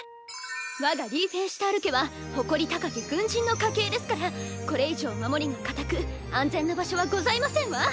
我がリーフェンシュタール家は誇り高き軍人の家系ですからこれ以上守りが堅く安全な場所はございませんわ！